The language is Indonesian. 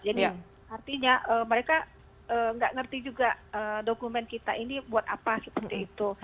jadi artinya mereka tidak mengerti juga dokumen kita ini buat apa seperti itu